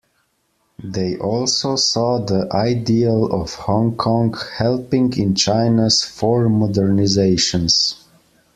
They also saw the ideal of Hong Kong helping in China's Four Modernisations.